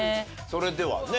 それではね